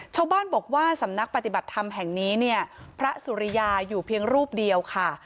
ชาวบ้านบอกว่าสำนักปฏิบัติธรรมแห่งนี้เนี่ยพระสุริยาอยู่เพียงรูปเดียวค่ะ